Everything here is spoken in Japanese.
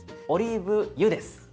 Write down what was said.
オリーブ油です。